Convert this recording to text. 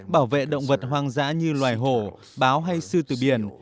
bảo vệ động vật hoang dã như loài hổ báo hay sư từ biển